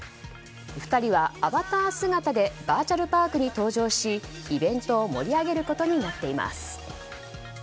２人はアバター姿でバーチャルパークに登場しイベントを盛り上げることになっています。